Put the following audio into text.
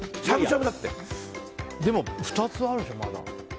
でも２つあるでしょ、まだ。